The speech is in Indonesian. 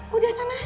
bu di sana